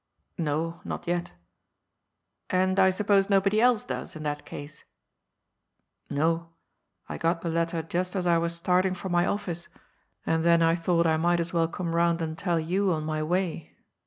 " No, not yet." '^ And I suppose nobody else does, in that case ?" ^'No. I got the letter just as I was starting for my office, and then I thought I might as well come round and tell you on my way.